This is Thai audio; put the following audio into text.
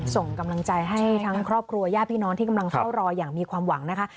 ส่งกำลังใจให้ทั้งครอบครัวญาติพี่น้องที่กำลังเฝ้ารออย่างมีความหวังนะคะ